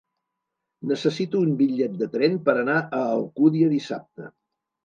Necessito un bitllet de tren per anar a l'Alcúdia dissabte.